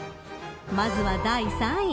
まずは第３位。